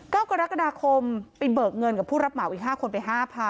ก่อรักษณะคมไปบอกเงินกับผู้รับเหมาอีก๕คนไป๕๐๐๐